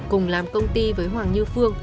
cùng làm công ty với hoàng như phương